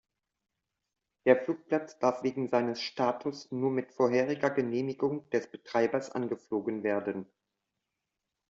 Der Flugplatz darf wegen seines Status' nur mit vorheriger Genehmigung des Betreibers angeflogen werden.